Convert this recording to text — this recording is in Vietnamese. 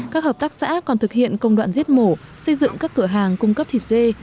các hợp tác xã còn thực hiện công đoạn giết mổ xây dựng các cửa hàng cung cấp thịt dê